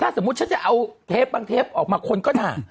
ถ้าสมมติว่าฉันจะเอาเทปบางเทปออกมาค้นก็นะ